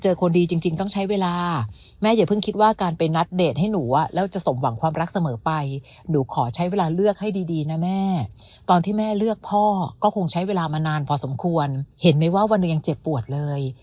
เห็นไหมว่าวันนึงยังเจ็บปวดเลย